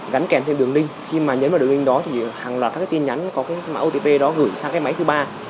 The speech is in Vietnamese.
gắn kèm theo đường link khi mà nhấn vào đường link đó thì hàng loạt các cái tin nhắn có cái mạng otp đó gửi sang cái máy thứ ba